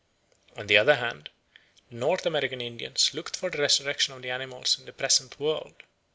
On the other hand, the North American Indians looked for the resurrection of the animals in the present world.